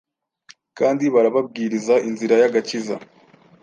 kandi barababwira inzira y’agakiza.